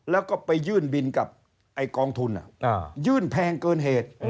แล้วก็ไปยื่นบินกับกองทุนยื่นแพงเกินเหตุ